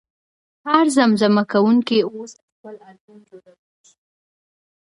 هر زمزمه کوونکی اوس خپل البوم جوړولی شي.